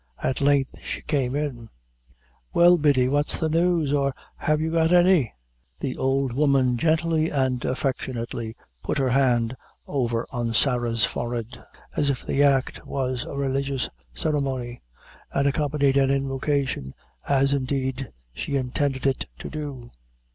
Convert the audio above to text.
At length she came in. "Well, Biddy, what's the news or have you got any?" The old woman gently and affectionately put her hand over on Sarah's forehead, as if the act was a religious ceremony, and accompanied an invocation, as, indeed, she intended it to do.